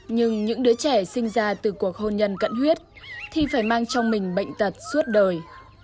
nhưng những đứa trẻ sinh ra từ cuộc hôn nhân cận huyết thì phải mang trong mình bệnh tật suốt đời